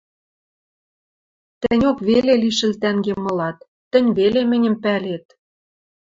Тӹньок веле лишӹл тӓнгем ылат, тӹнь веле мӹньӹм пӓлет...